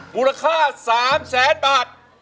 มูลค่า๓แสนบาท